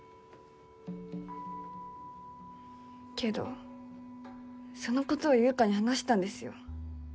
けどそのことを優香に話したんですよ。